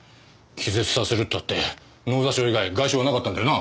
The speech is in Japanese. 気絶させるったって脳挫傷以外外傷はなかったんだよなあ？